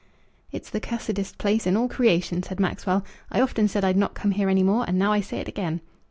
"It's the cussidest place in all creation," said Maxwell. "I often said I'd not come here any more, and now I say it again."